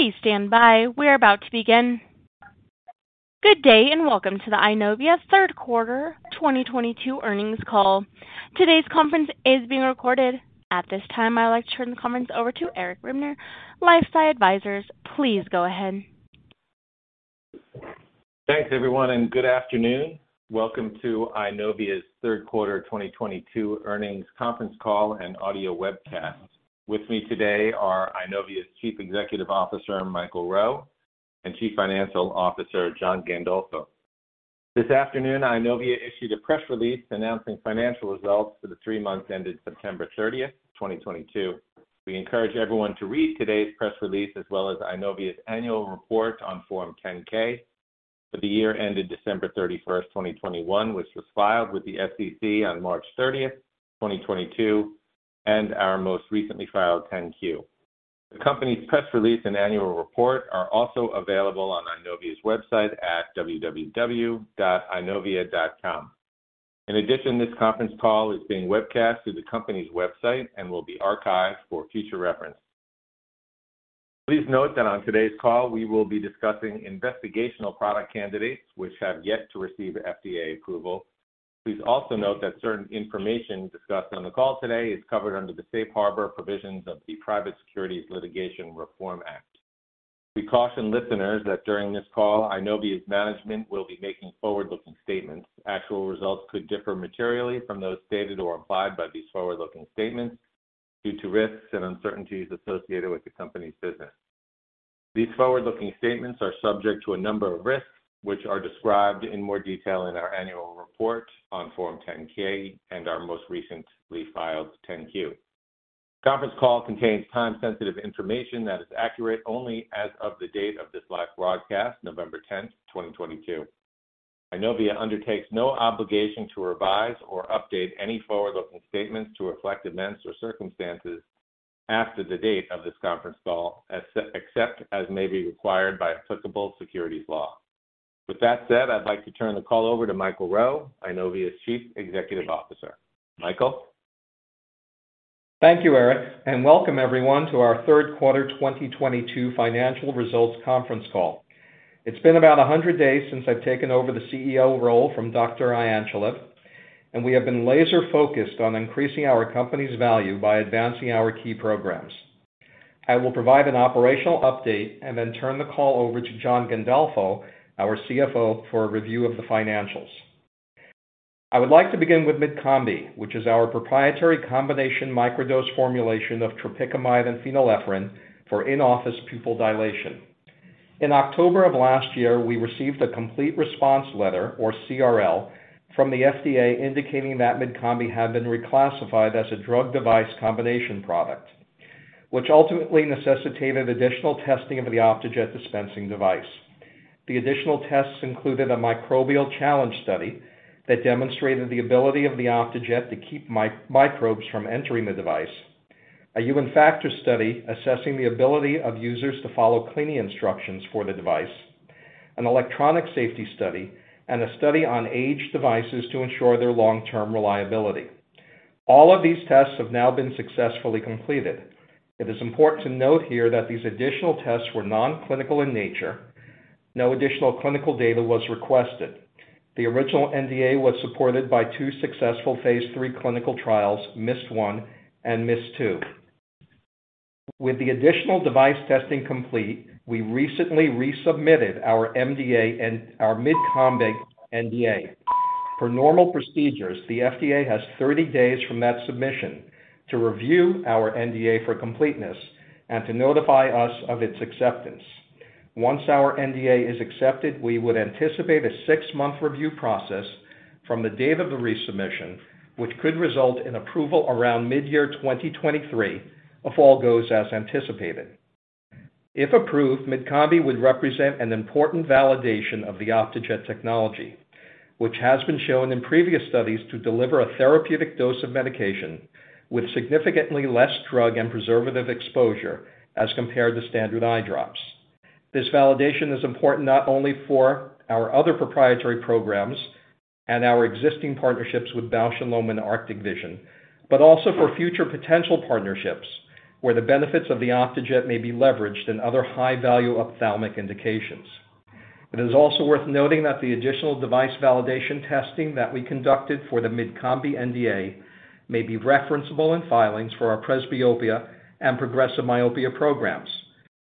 Please stand by. We are about to begin. Good day, and welcome to the Eyenovia third quarter 2022 earnings call. Today's conference is being recorded. At this time, I'd like to turn the conference over to Eric Ribner, LifeSci Advisors. Please go ahead. Thanks, everyone, and good afternoon. Welcome to Eyenovia's third quarter 2022 earnings conference call and audio webcast. With me today are Eyenovia's Chief Executive Officer, Michael Rowe, and Chief Financial Officer, John Gandolfo. This afternoon, Eyenovia issued a press release announcing financial results for the three months ended September 30, 2022. We encourage everyone to read today's press release, as well as Eyenovia's annual report on Form 10-K for the year ended December 31, 2021, which was filed with the SEC on March 30, 2022, and our most recently filed 10-Q. The company's press release and annual report are also available on Eyenovia's website at www.eyenovia.com. In addition, this conference call is being webcast through the company's website and will be archived for future reference. Please note that on today's call we will be discussing investigational product candidates which have yet to receive FDA approval. Please also note that certain information discussed on the call today is covered under the safe harbor provisions of the Private Securities Litigation Reform Act. We caution listeners that during this call, Eyenovia's management will be making forward-looking statements. Actual results could differ materially from those stated or implied by these forward-looking statements due to risks and uncertainties associated with the company's business. These forward-looking statements are subject to a number of risks which are described in more detail in our annual report on Form 10-K and our most recently filed 10-Q. This conference call contains time-sensitive information that is accurate only as of the date of this live broadcast, November 10, 2022. Eyenovia undertakes no obligation to revise or update any forward-looking statements to reflect events or circumstances after the date of this conference call, except as may be required by applicable securities law. With that said, I'd like to turn the call over to Michael Rowe, Eyenovia's Chief Executive Officer. Michael? Thank you, Eric, and welcome everyone to our third quarter 2022 financial results conference call. It's been about 100 days since I've taken over the CEO role from Dr. Ianchulev, and we have been laser focused on increasing our company's value by advancing our key programs. I will provide an operational update and then turn the call over to John Gandolfo, our CFO, for a review of the financials. I would like to begin with MydCombi, which is our proprietary combination microdose formulation of tropicamide and phenylephrine for in-office pupil dilation. In October of last year, we received a complete response letter, or CRL, from the FDA indicating that MydCombi had been reclassified as a drug device combination product, which ultimately necessitated additional testing of the Optejet dispensing device. The additional tests included a microbial challenge study that demonstrated the ability of the Optejet to keep microbes from entering the device, a human factor study assessing the ability of users to follow cleaning instructions for the device, an electronic safety study, and a study on aged devices to ensure their long-term reliability. All of these tests have now been successfully completed. It is important to note here that these additional tests were non-clinical in nature. No additional clinical data was requested. The original NDA was supported by two successful phase 3 clinical trials, MIST-1 and MIST-2. With the additional device testing complete, we recently resubmitted our NDA and our MydCombi NDA. Per normal procedures, the FDA has 30 days from that submission to review our NDA for completeness and to notify us of its acceptance. Once our NDA is accepted, we would anticipate a six-month review process from the date of the resubmission, which could result in approval around mid-year 2023 if all goes as anticipated. If approved, MydCombi would represent an important validation of the Optejet technology, which has been shown in previous studies to deliver a therapeutic dose of medication with significantly less drug and preservative exposure as compared to standard eye drops. This validation is important not only for our other proprietary programs and our existing partnerships with Bausch + Lomb and Arctic Vision, but also for future potential partnerships where the benefits of the Optejet may be leveraged in other high-value ophthalmic indications. It is also worth noting that the additional device validation testing that we conducted for the MydCombi NDA may be referenceable in filings for our presbyopia and progressive myopia programs,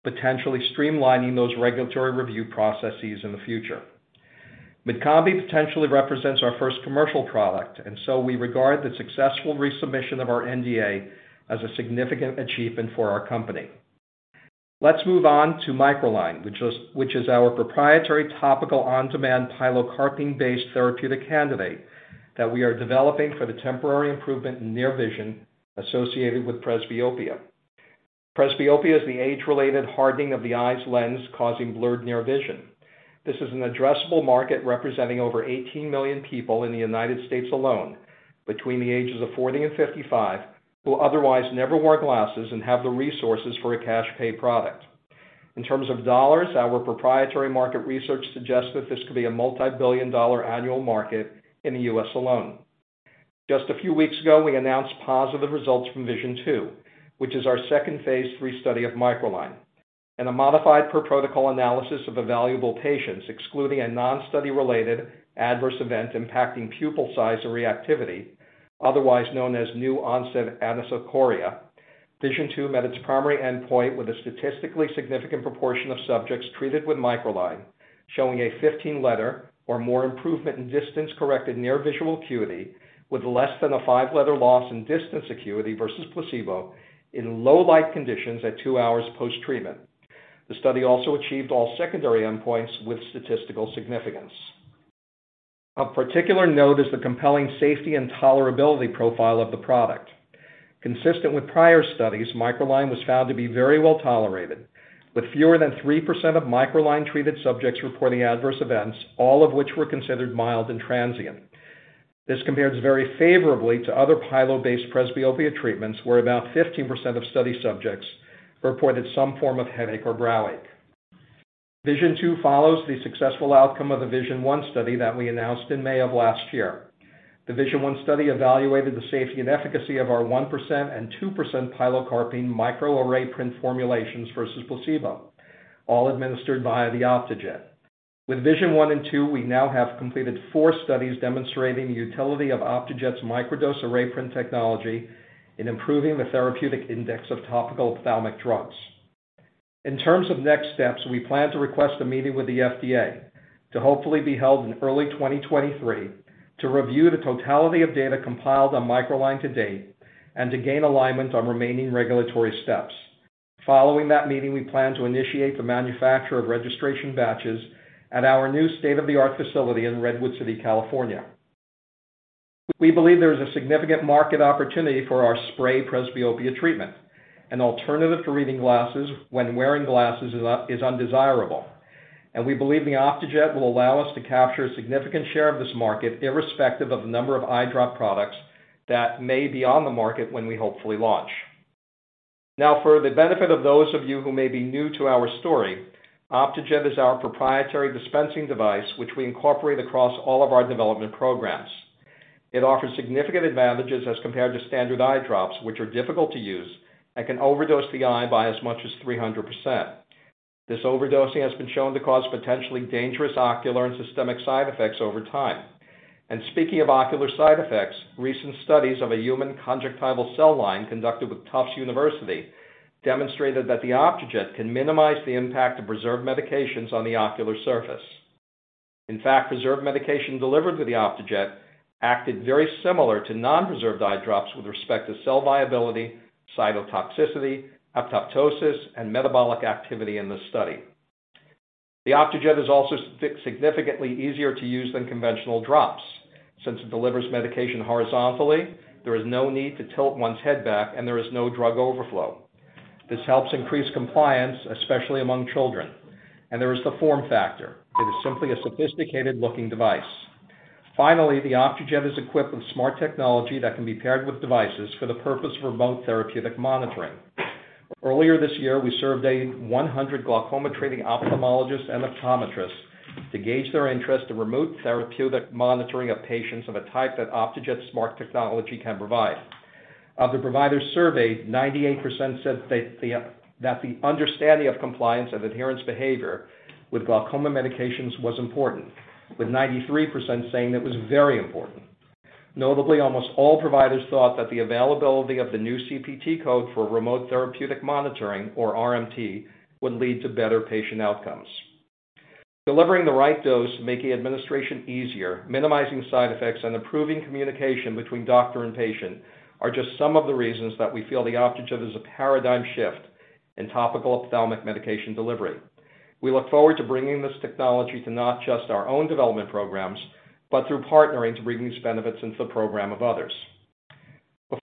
potentially streamlining those regulatory review processes in the future. MydCombi potentially represents our first commercial product, and so we regard the successful resubmission of our NDA as a significant achievement for our company. Let's move on to MicroLine, which is our proprietary topical on-demand pilocarpine-based therapeutic candidate that we are developing for the temporary improvement in near vision associated with presbyopia. Presbyopia is the age-related hardening of the eye's lens, causing blurred near vision. This is an addressable market representing over 18 million people in the United States alone between the ages of 40 and 55 who otherwise never wore glasses and have the resources for a cash pay product. In terms of dollars, our proprietary market research suggests that this could be a multi-billion dollar annual market in the US alone. Just a few weeks ago, we announced positive results from VISION-2, which is our second phase 3 study of MicroLine. In a modified per protocol analysis of evaluable patients, excluding a non-study related adverse event impacting pupil size or reactivity, otherwise known as new onset anisocoria, VISION-2 met its primary endpoint with a statistically significant proportion of subjects treated with MicroLine showing a 15 letter or more improvement in distance corrected near visual acuity with less than a 5 letter loss in distance acuity versus placebo in low light conditions at 2 hours post-treatment. The study also achieved all secondary endpoints with statistical significance. Of particular note is the compelling safety and tolerability profile of the product. Consistent with prior studies, MicroLine was found to be very well tolerated, with fewer than 3% of MicroLine treated subjects reporting adverse events, all of which were considered mild and transient. This compares very favorably to other pilo-based presbyopia treatments, where about 15% of study subjects reported some form of headache or brow ache. Vision 2 follows the successful outcome of the VISION-1 study that we announced in May of last year. The VISION-1 study evaluated the safety and efficacy of our 1% and 2% pilocarpine Micro-Array Print formulations versus placebo, all administered via the Optejet. With VISION-1 and 2, we now have completed 4 studies demonstrating the utility of Optejet's microdose array print technology in improving the therapeutic index of topical ophthalmic drugs. In terms of next steps, we plan to request a meeting with the FDA to hopefully be held in early 2023 to review the totality of data compiled on MicroLine to date and to gain alignment on remaining regulatory steps. Following that meeting, we plan to initiate the manufacture of registration batches at our new state-of-the-art facility in Redwood City, California. We believe there is a significant market opportunity for our spray presbyopia treatment, an alternative to reading glasses when wearing glasses is undesirable. We believe the Optejet will allow us to capture a significant share of this market, irrespective of the number of eye drop products that may be on the market when we hopefully launch. Now, for the benefit of those of you who may be new to our story, Optejet is our proprietary dispensing device which we incorporate across all of our development programs. It offers significant advantages as compared to standard eye drops, which are difficult to use and can overdose the eye by as much as 300%. This overdosing has been shown to cause potentially dangerous ocular and systemic side effects over time. Speaking of ocular side effects, recent studies of a human conjunctival cell line conducted with Tufts University demonstrated that the Optejet can minimize the impact of preserved medications on the ocular surface. In fact, preserved medication delivered to the Optejet acted very similar to non-preserved eye drops with respect to cell viability, cytotoxicity, apoptosis and metabolic activity in the study. The Optejet is also significantly easier to use than conventional drops. Since it delivers medication horizontally, there is no need to tilt one's head back and there is no drug overflow. This helps increase compliance, especially among children. There is the form factor. It is simply a sophisticated looking device. Finally, the Optejet is equipped with smart technology that can be paired with devices for the purpose of remote therapeutic monitoring. Earlier this year, we surveyed 100 glaucoma treating ophthalmologists and optometrists to gauge their interest in remote therapeutic monitoring of patients of a type that Optejet's smart technology can provide. Of the providers surveyed, 98% said that the understanding of compliance and adherence behavior with glaucoma medications was important, with 93% saying it was very important. Notably, almost all providers thought that the availability of the new CPT code for remote therapeutic monitoring or RTM would lead to better patient outcomes. Delivering the right dose, making administration easier, minimizing side effects, and improving communication between doctor and patient are just some of the reasons that we feel the Optejet is a paradigm shift in topical ophthalmic medication delivery. We look forward to bringing this technology to not just our own development programs, but through partnering to bring these benefits into the program of others.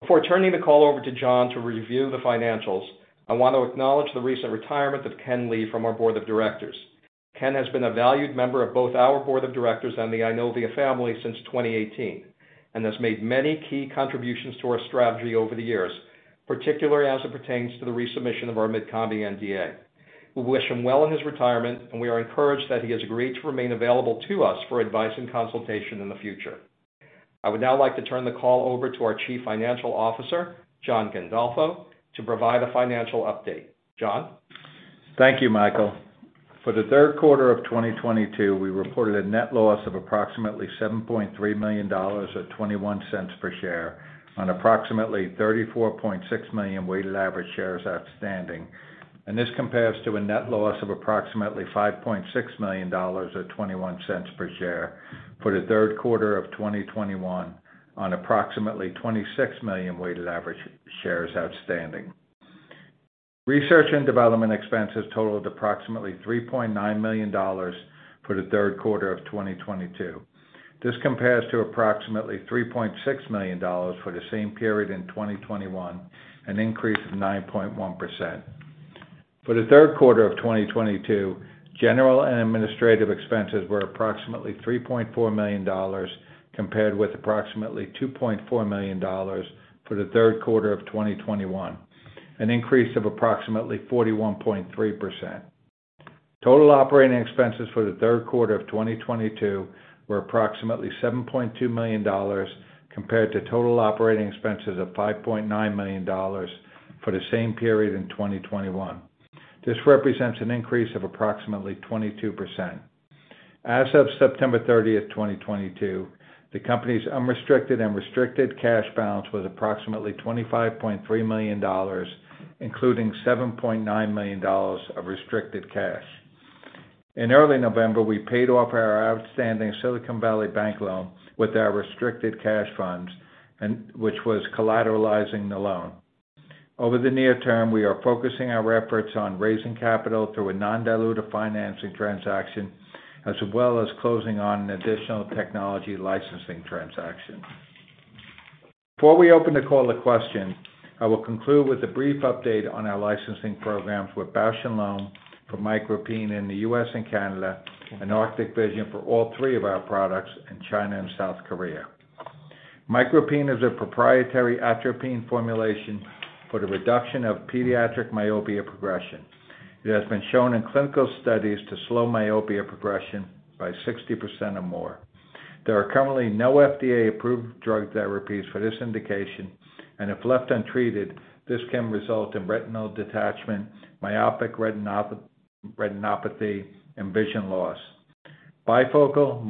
Before turning the call over to John to review the financials, I want to acknowledge the recent retirement of Ken Lee from our board of directors. Ken has been a valued member of both our board of directors and the Eyenovia family since 2018, and has made many key contributions to our strategy over the years, particularly as it pertains to the resubmission of our MydCombi NDA. We wish him well in his retirement, and we are encouraged that he has agreed to remain available to us for advice and consultation in the future. I would now like to turn the call over to our Chief Financial Officer, John Gandolfo, to provide a financial update. John? Thank you, Michael. For the third quarter of 2022, we reported a net loss of approximately $7.3 million, or $0.21 per share on approximately 34.6 million weighted average shares outstanding. This compares to a net loss of approximately $5.6 million, or $0.21 per share for the third quarter of 2021 on approximately 26 million weighted average shares outstanding. Research and development expenses totaled approximately $3.9 million for the third quarter of 2022. This compares to approximately $3.6 million for the same period in 2021, an increase of 9.1%. For the third quarter of 2022, general and administrative expenses were approximately $3.4 million compared with approximately $2.4 million for the third quarter of 2021, an increase of approximately 41.3%. Total operating expenses for the third quarter of 2022 were approximately $7.2 million compared to total operating expenses of $5.9 million for the same period in 2021. This represents an increase of approximately 22%. As of September 30, 2022, the company's unrestricted and restricted cash balance was approximately $25.3 million, including $7.9 million of restricted cash. In early November, we paid off our outstanding Silicon Valley Bank loan with our restricted cash funds and which was collateralizing the loan. Over the near term, we are focusing our efforts on raising capital through a non-dilutive financing transaction as well as closing on an additional technology licensing transaction. Before we open the call to questions, I will conclude with a brief update on our licensing programs with Bausch + Lomb for MicroPine in the US and Canada, and Arctic Vision for all three of our products in China and South Korea. MicroPine is a proprietary atropine formulation for the reduction of pediatric myopia progression. It has been shown in clinical studies to slow myopia progression by 60% or more. There are currently no FDA-approved drug therapies for this indication, and if left untreated, this can result in retinal detachment, myopic retinopathy, and vision loss. Bifocal,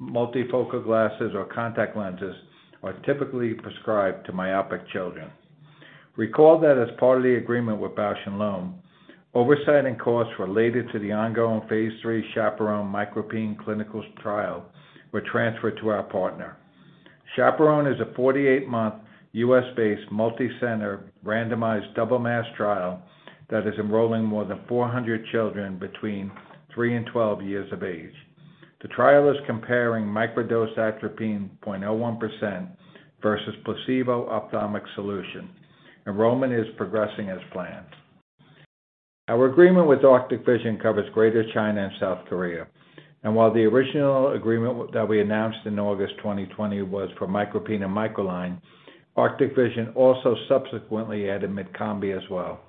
multifocal glasses or contact lenses are typically prescribed to myopic children. Recall that as part of the agreement with Bausch + Lomb, oversight and costs related to the ongoing phase 3 CHAPERONE MicroPine clinical trial were transferred to our partner. CHAPERONE is a 48-month US-based multicenter randomized double-masked trial that is enrolling more than 400 children between 3 and 12 years of age. The trial is comparing micro-dosed atropine 0.01% versus placebo ophthalmic solution. Enrollment is progressing as planned. Our agreement with Arctic Vision covers Greater China and South Korea. While the original agreement that we announced in August 2020 was for MicroPine and MicroLine, Arctic Vision also subsequently added MydCombi as well.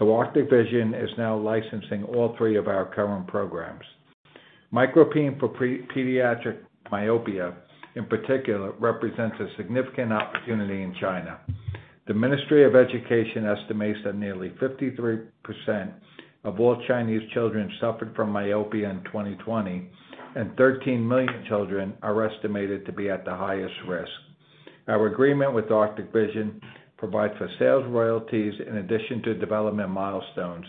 Arctic Vision is now licensing all three of our current programs. MicroPine for pediatric myopia, in particular, represents a significant opportunity in China. The Ministry of Education estimates that nearly 53% of all Chinese children suffered from myopia in 2020, and 13 million children are estimated to be at the highest risk. Our agreement with Arctic Vision provides for sales royalties in addition to development milestones.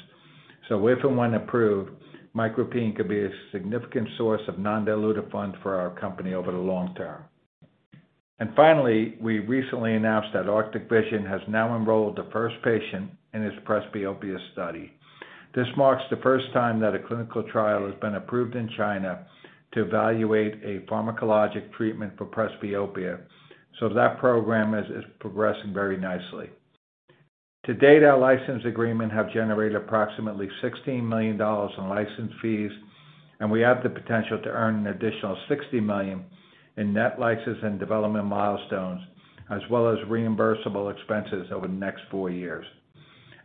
If and when approved, MicroPine could be a significant source of non-dilutive funds for our company over the long term. Finally, we recently announced that Arctic Vision has now enrolled the first patient in its presbyopia study. This marks the first time that a clinical trial has been approved in China to evaluate a pharmacologic treatment for presbyopia, so that program is progressing very nicely. To date, our license agreement have generated approximately $16 million in license fees, and we have the potential to earn an additional $60 million in net license and development milestones, as well as reimbursable expenses over the next four years.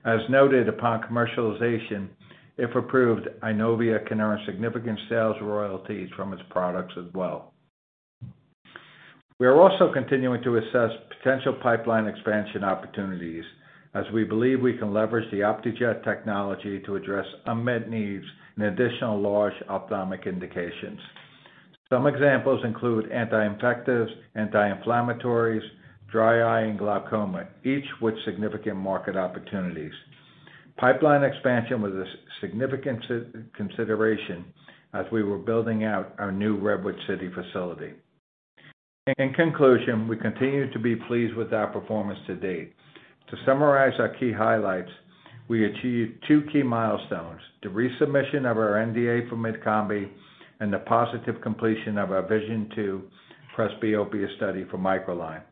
As noted upon commercialization, if approved, Eyenovia can earn significant sales royalties from its products as well. We are also continuing to assess potential pipeline expansion opportunities as we believe we can leverage the Optejet technology to address unmet needs in additional large ophthalmic indications. Some examples include anti-infectives, anti-inflammatories, dry eye, and glaucoma, each with significant market opportunities. Pipeline expansion was a significant consideration as we were building out our new Redwood City facility. In conclusion, we continue to be pleased with our performance to date. To summarize our key highlights, we achieved two key milestones, the resubmission of our NDA for MydCombi and the positive completion of our VISION-2 presbyopia study for MicroLine.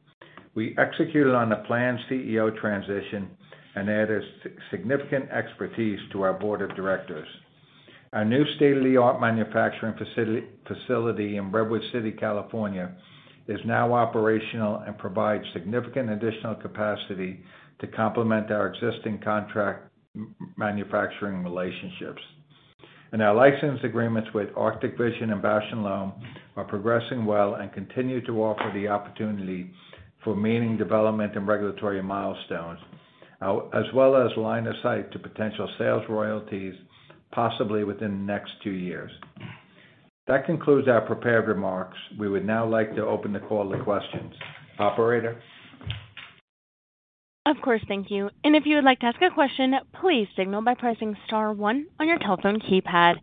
We executed on the planned CEO transition and added significant expertise to our board of directors. Our new state-of-the-art manufacturing facility in Redwood City, California, is now operational and provides significant additional capacity to complement our existing contract manufacturing relationships. Our license agreements with Arctic Vision and Bausch + Lomb are progressing well and continue to offer the opportunity for meeting development and regulatory milestones, as well as line of sight to potential sales royalties possibly within the next two years. That concludes our prepared remarks. We would now like to open the call to questions. Operator? Of course. Thank you. If you would like to ask a question, please signal by pressing star one on your telephone keypad.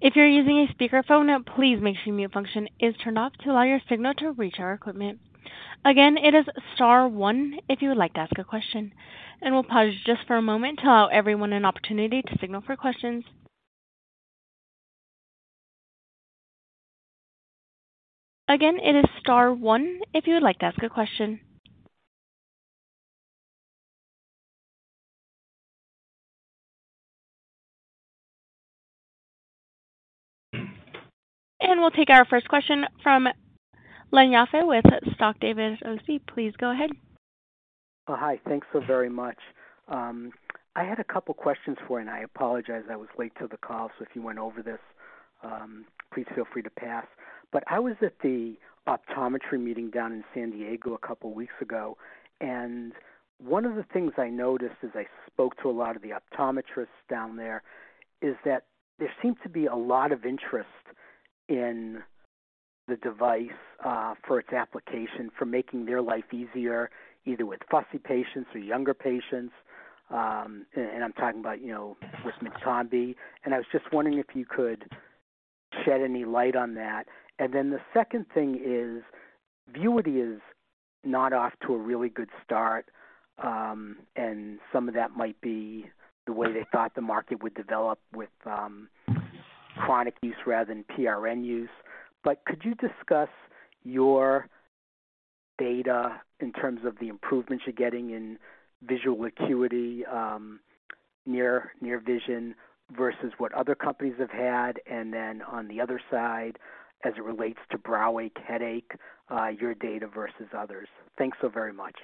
If you're using a speakerphone, please make sure mute function is turned off to allow your signal to reach our equipment. Again, it is star one if you would like to ask a question. We'll pause just for a moment to allow everyone an opportunity to signal for questions. Again, it is star one if you would like to ask a question. We'll take our first question from Len Yaffe with Stock Davis OC. Please go ahead. Oh, hi. Thanks so very much. I had a couple questions for you, and I apologize. I was late to the call, so if you went over this, please feel free to pass. I was at the optometry meeting down in San Diego a couple weeks ago, and one of the things I noticed as I spoke to a lot of the optometrists down there is that there seems to be a lot of interest in the device for its application for making their life easier, either with fussy patients or younger patients. I'm talking about, you know, with MydCombi. I was just wondering if you could shed any light on that. The second thing is VUITY is not off to a really good start, and some of that might be the way they thought the market would develop with chronic use rather than PRN use. Could you discuss your data in terms of the improvements you're getting in visual acuity, near vision versus what other companies have had? On the other side, as it relates to brow ache, headache, your data versus others. Thanks so very much.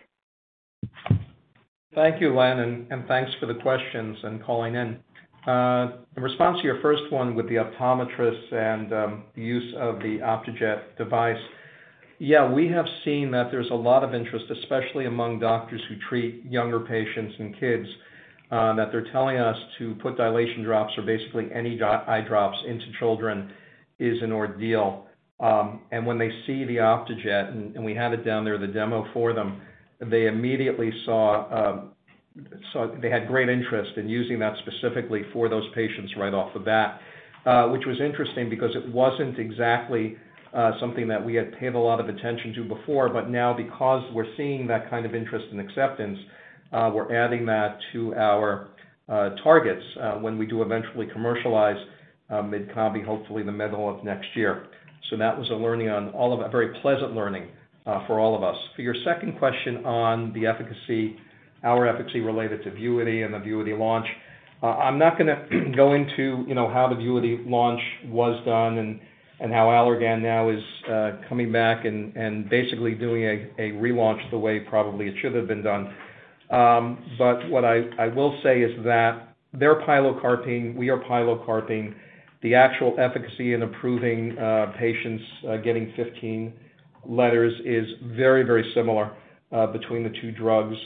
Thank you, Len, and thanks for the questions and calling in. In response to your first one with the optometrists and the use of the Optejet device, yeah, we have seen that there's a lot of interest, especially among doctors who treat younger patients and kids, that they're telling us to put dilation drops or basically any dry eye drops into children is an ordeal. When they see the Optejet and we have it down there, the demo for them, they immediately saw they had great interest in using that specifically for those patients right off the bat. Which was interesting because it wasn't exactly something that we had paid a lot of attention to before. Now because we're seeing that kind of interest and acceptance, we're adding that to our targets when we do eventually commercialize MydCombi, hopefully the middle of next year. That was a learning on all of us. A very pleasant learning for all of us. For your second question on the efficacy, our efficacy related to VUITY and the VUITY launch, I'm not gonna go into you know, how the VUITY launch was done and how Allergan now is coming back and basically doing a relaunch the way probably it should have been done. What I will say is that they're pilocarpine, we are pilocarpine. The actual efficacy in improving patients getting 15 letters is very, very similar between the two drugs.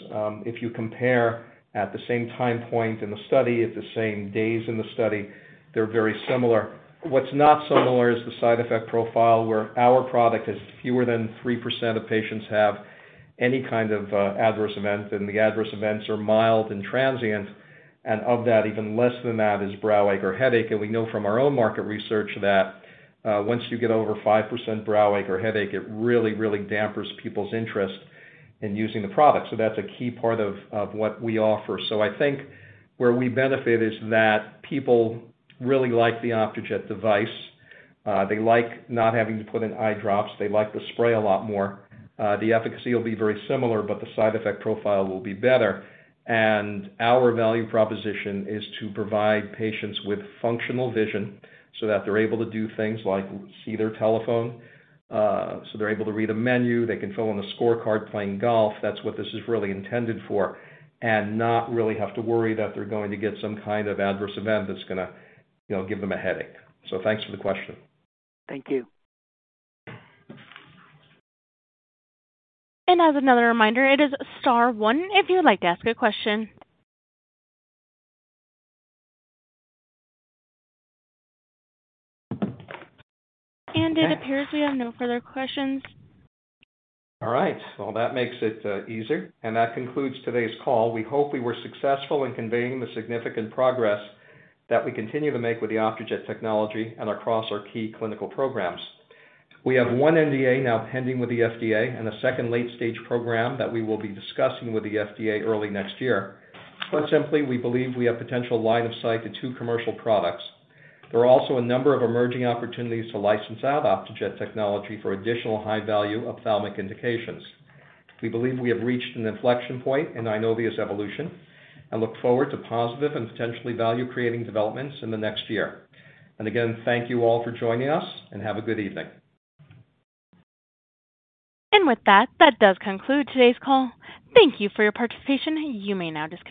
If you compare at the same time point in the study, at the same days in the study, they're very similar. What's not similar is the side effect profile, where our product has fewer than 3% of patients have any kind of, adverse event, and the adverse events are mild and transient. Of that, even less than that is brow ache or headache. We know from our own market research that, once you get over 5% brow ache or headache, it really, really dampens people's interest in using the product. That's a key part of what we offer. I think where we benefit is that people really like the Optejet device. They like not having to put in eye drops. They like the spray a lot more. The efficacy will be very similar, but the side effect profile will be better. Our value proposition is to provide patients with functional vision so that they're able to do things like see their telephone, so they're able to read a menu, they can fill in a scorecard playing golf. That's what this is really intended for. Not really have to worry that they're going to get some kind of adverse event that's gonna, you know, give them a headache. Thanks for the question. Thank you. As another reminder, it is star one if you would like to ask a question. It appears we have no further questions. All right. Well, that makes it easier. That concludes today's call. We hope we were successful in conveying the significant progress that we continue to make with the Optejet technology and across our key clinical programs. We have 1 NDA now pending with the FDA and a second late-stage program that we will be discussing with the FDA early next year. Quite simply, we believe we have potential line of sight to 2 commercial products. There are also a number of emerging opportunities to license out Optejet technology for additional high-value ophthalmic indications. We believe we have reached an inflection point in Eyenovia's evolution and look forward to positive and potentially value-creating developments in the next year. Again, thank you all for joining us, and have a good evening. With that does conclude today's call. Thank you for your participation. You may now disconnect.